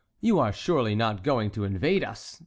You are surely not going to invade us?"